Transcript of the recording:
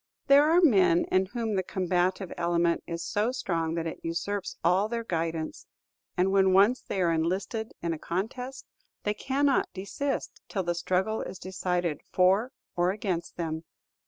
There are men in whom the combative element is so strong that it usurps all their guidance, and when once they are enlisted in a contest, they cannot desist till the struggle be decided for or against them.